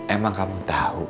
emang kamu tau